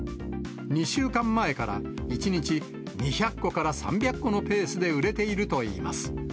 ２週間前から１日２００個から３００個のペースで売れているといいます。